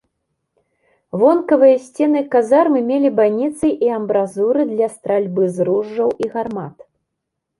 Вонкавыя сцены казармы мелі байніцы і амбразуры для стральбы з ружжаў і гармат.